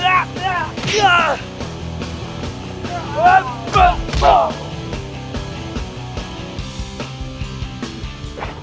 padahal aku nih